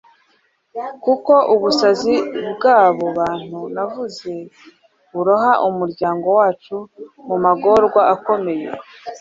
kuko ubusazi bw'abo bantu navuze buroha umuryango wacu mu magorwa akomeye